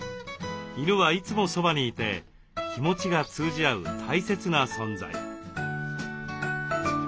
犬はいつもそばにいて気持ちが通じ合う大切な存在。